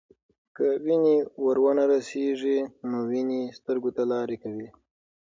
که وینې ور ونه رسیږي، نو وینې سترګو ته لارې کوي.